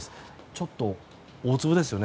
ちょっと大粒ですよね。